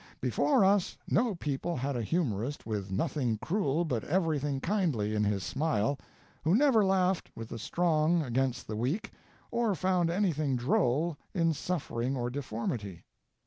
Before us no people had a humorist with nothing cruel but everything kindly in his smile, who never laughed with the strong against the weak, or found anything droll in suffering or deformity.